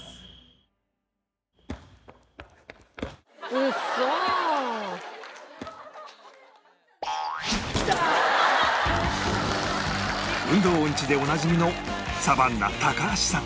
「ウソ」運動オンチでおなじみのサバンナ高橋さん